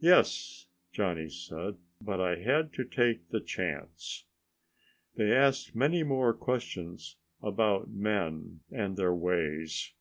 "Yes," Johnny said, "but I had to take the chance." They asked many more questions about men and their ways.